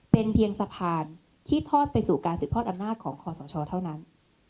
เป็นเพียงสะพานที่ทอดไปสู่การสืบทอดอำนาจของคอสชเท่านั้น